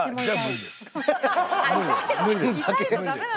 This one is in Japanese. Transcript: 無理です。